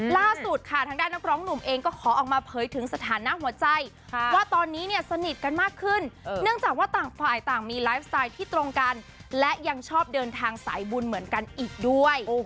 ล่าสุดค่ะทางด้านนักร้องหนุ่มเองก็ขอออกมาเผยถึงสถานะหัวใจว่าตอนนี้เนี่ยสนิทกันมากขึ้นเนื่องจากว่าต่างฝ่ายต่างมีไลฟ์สไตล์ที่ตรงกันและยังชอบเดินทางสายบุญเหมือนกันอีกด้วย